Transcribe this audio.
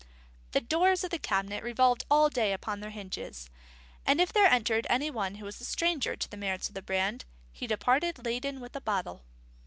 _ The doors of the cabinet revolved all day upon their hinges; and if there entered any one who was a stranger to the merits of the brand, he departed laden with a bottle.